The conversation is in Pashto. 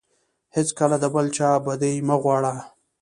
هیڅکله د بل چا بدي مه غواړه.